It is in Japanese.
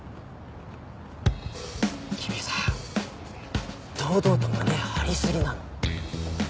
君さ堂々と胸張りすぎなの。